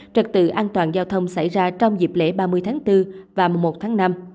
trật tự an toàn giao thông xảy ra trong dịp lễ ba mươi tháng bốn và một tháng năm